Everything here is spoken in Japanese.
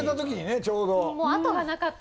ちょうど。